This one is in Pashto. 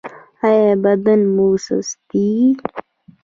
ایا بدن مو سستیږي؟